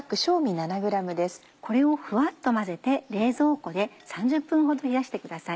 これをフワっと混ぜて冷蔵庫で３０分ほど冷やしてください。